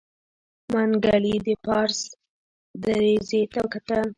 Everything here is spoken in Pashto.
منګلي د پاس دريڅې نه کتل.